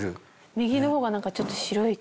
右の方がちょっと白い感じが。